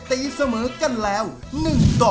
ตีเสมอกันแล้ว๑ต่อ๑